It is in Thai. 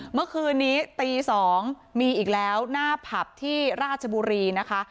เมื่อคืนนี้ตี๒มีอีกแล้วหน้าผับที่ราชบุรีนะคะ